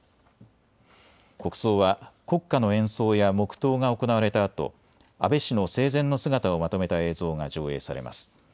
国葬は国歌の演奏や黙とうが行われたあと安倍氏の生前の姿をまとめた映像が上映されます。